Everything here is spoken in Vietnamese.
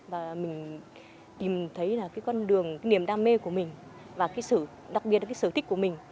và mình tìm thấy là cái con đường cái niềm đam mê của mình và cái sự đặc biệt là cái sở thích của mình